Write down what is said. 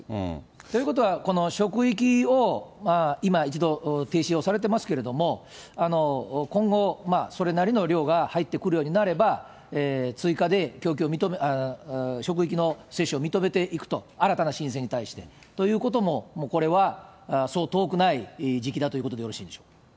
ということは、この職域を今、一度停止をされていますけれども、今後、それなりの量が入ってくるようになれば、追加で職域の接種を認めていくと、新たな申請に対して、ということも、これはそう遠くない時期だということでよろしいでしょうか。